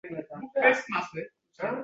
Ertaga shu haqda soʻzlashim kerak.